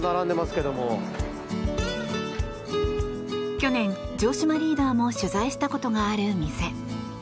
去年、城島リーダーも取材したことがある店。